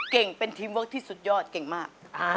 เก่งเป็นทีมเวิร์คที่สุดยอดเก่งมาก